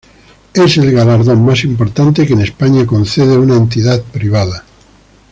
Es el galardón más importante que en España concede una entidad privada.